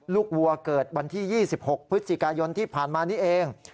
วัวเกิดวันที่๒๖พฤศจิกายนที่ผ่านมานี้เอง